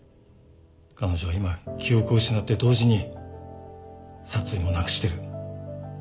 彼女は今記憶を失って同時に殺意もなくしてる。